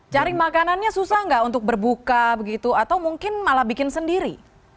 cari makanannya susah nggak untuk berbuka begitu atau mungkin malah bikin sendiri